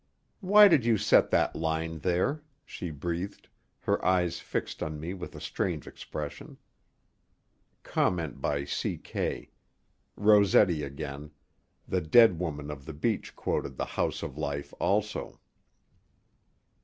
"Why did you set that line there?" she breathed, her eyes fixed on me with a strange expression. (Comment by C. K.: _Rossetti again. The dead woman of the beach quoted "The House of Life," also.